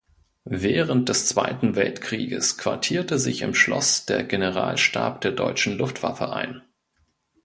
Während des Zweiten Weltkrieges quartierte sich im Schloss der Generalstab der deutschen Luftwaffe ein.